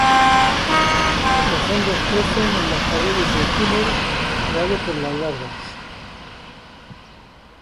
Los hongos crecen en las paredes del túnel creado por las larvas.